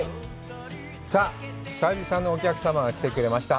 さあ、久々のお客様が来てくれました。